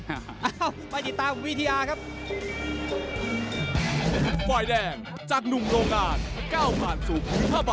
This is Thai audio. เอ้าไปติดตามของวิทยาครับ